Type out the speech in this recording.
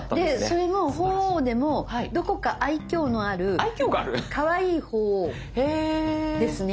それも鳳凰でも「どこか愛きょうのあるかわいい鳳凰ですね」